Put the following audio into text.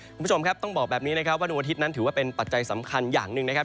คุณผู้ชมครับต้องบอกแบบนี้นะครับว่าดวงอาทิตย์นั้นถือว่าเป็นปัจจัยสำคัญอย่างหนึ่งนะครับ